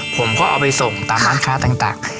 ผมก็เอาไปส่งตามร้านค้าต่าง